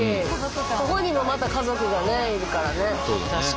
ここにもまた家族がねいるからね。